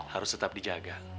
harus tetap dijaga